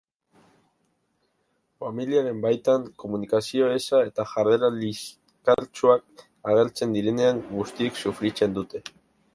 Familiaren baitan komunikazio eza eta jarrera liskartsuak agertzen direnean, guztiek sufritzen dute.